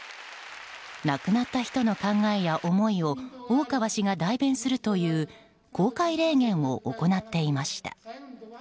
亡くなった人の考えや思いを大川氏が代弁するという「公開霊言」を行っていました。